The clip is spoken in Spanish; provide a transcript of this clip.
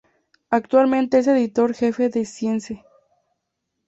Actualmente es editor jefe de Science.